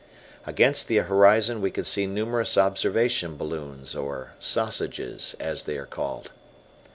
Against the horizon we could see numerous observation balloons or "sausages" as they are called.